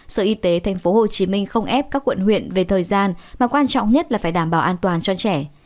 sở y tế tp hcm không ép các quận huyện về thời gian mà quan trọng nhất là phải đảm bảo an toàn cho trẻ